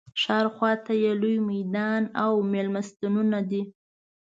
ښار خواته یې لوی میدان او مېلمستونونه دي.